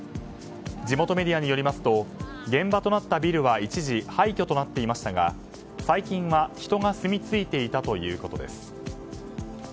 地元メディアによりますと現場となったビルは一時、廃虚となっていましたが最近は人が住み着いていたということです。